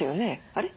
あれ？